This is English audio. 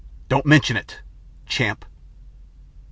"Don't mention it champ."